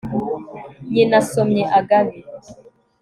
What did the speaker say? nyina somye agabi